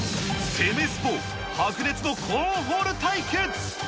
セメスポ、白熱のコーンホール対決。